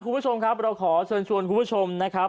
คุณผู้ชมครับเราขอเชิญชวนคุณผู้ชมนะครับ